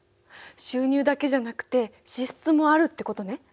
収入だけじゃなくて支出もあるってことね。